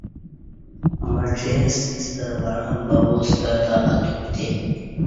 مڄیں سیستہ وعں ببا ستہ تں اتوپ تے